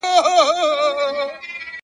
بېرته وطن ته ستون سوی دی